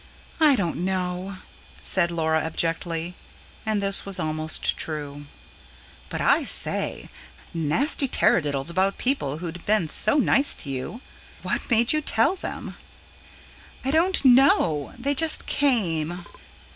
"I don't know," said Laura abjectly; and this was almost true. "But I say! ... nasty tarradiddles about people who'd been so nice to you? What made you tell them?" "I don't KNOW. They just came."